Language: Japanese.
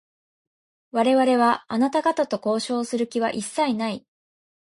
我々は、あなた方と交渉をする気は一切ない。